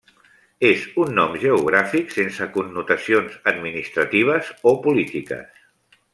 És un nom geogràfic sense connotacions administratives o polítiques.